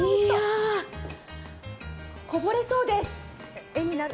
こぼれそうです。